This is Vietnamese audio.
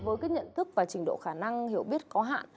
với cái nhận thức và trình độ khả năng hiểu biết có hạn